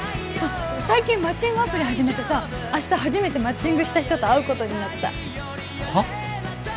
最近マッチングアプリ始めてさ明日初めてマッチングした人と会うことになったはっ？